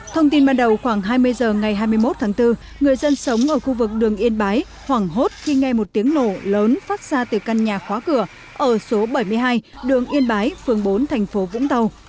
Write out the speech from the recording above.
thông tin ban đầu khoảng hai mươi h ngày hai mươi một tháng bốn người dân sống ở khu vực đường yên bái hoảng hốt khi nghe một tiếng nổ lớn phát ra từ căn nhà khóa cửa ở số bảy mươi hai đường yên bái phường bốn thành phố vũng tàu